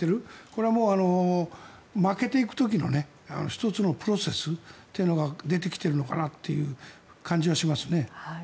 これはもう、負けていく時の１つのプロセスというのが出てきているのかなという感じはしますね。